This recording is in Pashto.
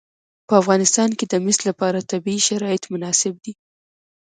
په افغانستان کې د مس لپاره طبیعي شرایط مناسب دي.